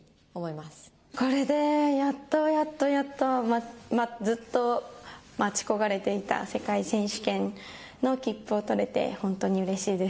これでやっとやっとやっとずっと待ち焦がれていた世界選手権の切符を取れて本当にうれしいです。